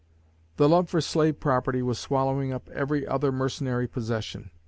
The love for slave property was swallowing up every other mercenary possession.